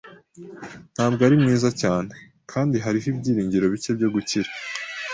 Ntabwo ari mwiza cyane, kandi hariho ibyiringiro bike byo gukira.